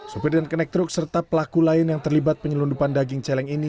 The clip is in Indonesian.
supir dan konektru serta pelaku lain yang terlibat penyelundupan daging celeng ini